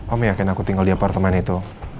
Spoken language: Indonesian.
om yakin aku tinggal di apartemen itu